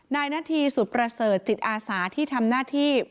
นาธีสุดประเสริฐจิตอาสาที่ทำหน้าที่